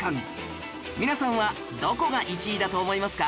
皆さんはどこが１位だと思いますか？